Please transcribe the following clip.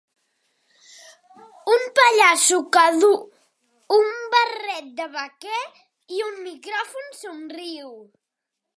Un pallasso que duu un barret de vaquer i un micròfon somriu.